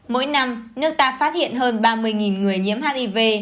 mỗi năm nước ta phát hiện hơn ba mươi người nhiễm hiv